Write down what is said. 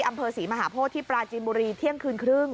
อำเภอศรีมหาโพธิที่ปราจีนบุรีเที่ยงคืนครึ่ง